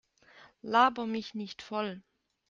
Labere mich nicht voll!